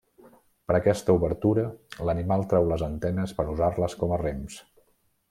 Per aquesta obertura l'animal treu les antenes per usar-les com a rems.